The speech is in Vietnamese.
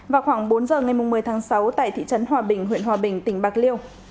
vào khoảng bốn giờ ngày một mươi tháng sáu tại thị trấn hòa bình huyện hòa bình tỉnh bạc liêu